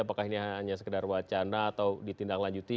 apakah ini hanya sekedar wacana atau ditindaklanjuti